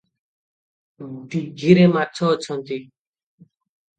ଦୀଘିରେ ମାଛ ଅଛନ୍ତି ।